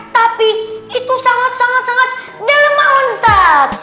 tapi itu sangat sangat dalam maun ustaz